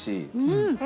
うん！